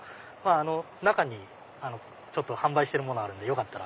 中に販売してるものあるんでよかったら。